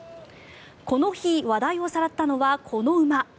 この日、話題をさらったのはこの馬。